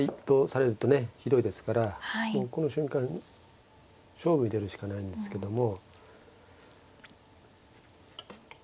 ひどいですからこの瞬間勝負に出るしかないんですけども。